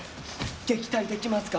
撃退できますか？